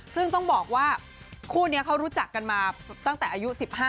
ซึ่งต้องบอกว่าคู่นี้เขารู้จักกันมาตั้งแต่อายุ๑๕